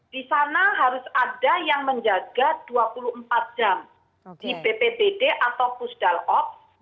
di sana harus ada yang menjaga dua puluh empat jam di bpbd atau pusdal op